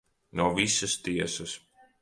No visas tiesas.